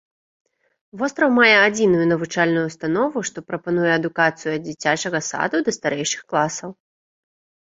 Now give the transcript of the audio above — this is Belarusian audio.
Востраў мае адзіную навучальную ўстанову, што прапануе адукацыю ад дзіцячага саду да старэйшых класаў.